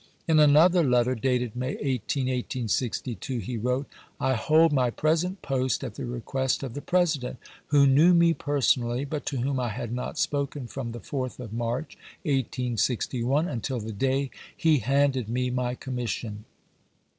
^ In another letter, dated May 18, 1862, he wrote :" I hold my pres ent post at the request of the President, who knew me personally, but to whom I had not spoken from the 4th of March, 1861, until the day he handed me my commission.